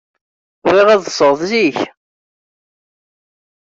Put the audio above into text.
Bɣiɣ ad ḍḍseɣ zik.